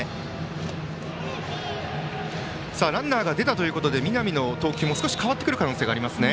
ランナーが出たということで南の投球も少し変わってくる可能性がありますね。